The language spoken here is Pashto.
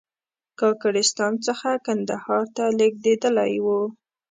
کاکړستان څخه کندهار ته لېږدېدلی و.